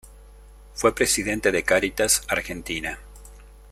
Fue presidente de Cáritas Argentina.